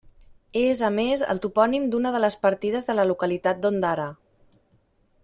És, a més, el topònim d'una de les partides de la localitat d'Ondara.